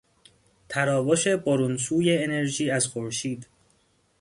تراوش برون سوی انرژی از خورشید